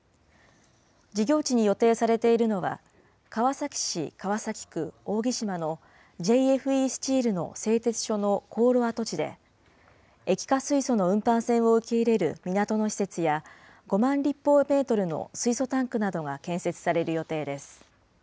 事業地に予定されているのは川崎市川崎区扇島のＪＦＥスチールの製鉄所の高炉跡地で、液化水素の運搬船を受け入れる港の施設や、５万立方メートルの水素タンクなどが建設される予定です。